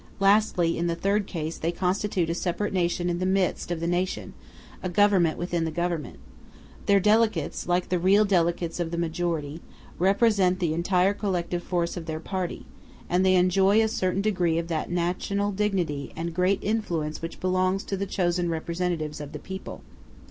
Lastly, in the third case, they constitute a separate nation in the midst of the nation, a government within the Government. Their delegates, like the real delegates of the majority, represent the entire collective force of their party; and they enjoy a certain degree of that national dignity and great influence which belong to the chosen representatives of the people.